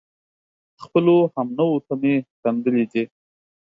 خپلو همنوعو ته مې خندلي دي